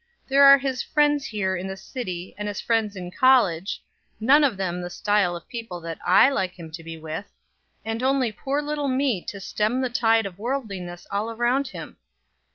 There are his friends here in the city, and his friends in college, none of them the style of people that I like him to be with, and only poor little me to stem the tide of worldliness all around him.